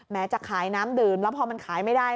จะขายน้ำดื่มแล้วพอมันขายไม่ได้